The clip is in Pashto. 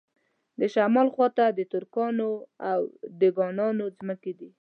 د شمال خواته د ترکانو او دېګانانو ځمکې دي.